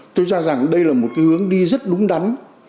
tôi cho rằng đây là một hướng đi rất đúng đắn